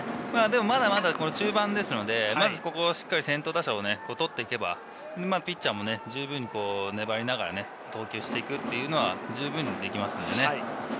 まだまだ中盤ですので、先頭打者を取っていけば、ピッチャーもじゅうぶんに粘りながら投球していくというのは十分にできますんでね。